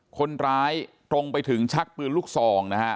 คนร้ายตรงไปถึงชักปืนลูกซองนะฮะ